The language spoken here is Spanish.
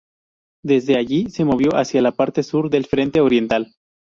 Desde allí, se movió hacia la parte sur del Frente Oriental.